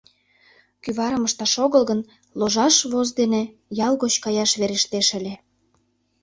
Кӱварым ышташ огыл гын, ложаш воз дене ял гоч каяш верештеш ыле.